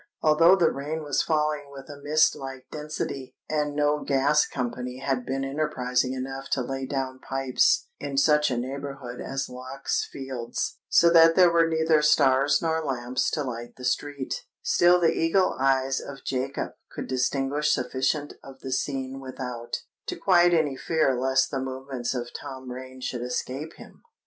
Although the rain was falling with a mist like density, and no gas company had been enterprising enough to lay down pipes in such a neighbourhood as Lock's Fields,—so that there were neither stars nor lamps to light the street,—still the eagle eyes of Jacob could distinguish sufficient of the scene without, to quiet any fear lest the movements of Tom Rain should escape him.